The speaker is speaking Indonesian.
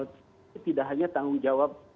tidak hanya tanggung jawab